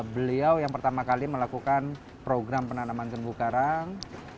beliau yang pertama kali melakukan program penanaman terumbu karang